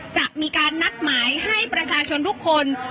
จะมีการนัดหมายให้ประชาชนทุกคน